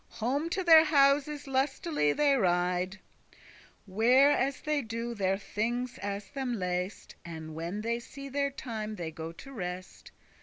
Home to their houses lustily they ride, Where as they do their thinges as them lest, And when they see their time they go to rest.